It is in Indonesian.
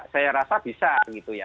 saya rasa bisa gitu ya